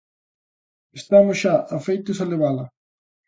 Estamos xa afeitos a levala?